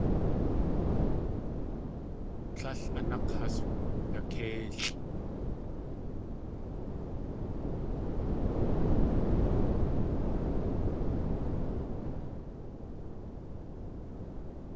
Tlél a nák̲ has wudakéilʼ.